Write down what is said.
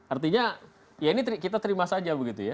artinya ya ini kita terima saja begitu ya